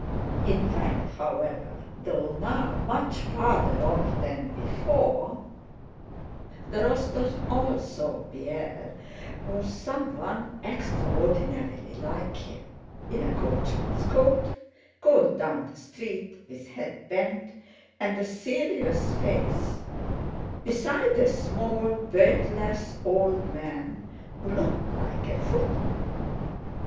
In fact, however, though now much farther off than before, the Rostóvs all saw Pierre—or someone extraordinarily like him—in a coachman's coat, going down the street with head bent and a serious face beside a small, beardless old man who looked like a footman.